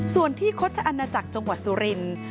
ส่วนที่คดชะอันจากจังหวัดสุริน